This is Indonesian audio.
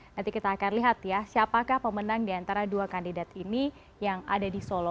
nanti kita akan lihat ya siapakah pemenang di antara dua kandidat ini yang ada di solo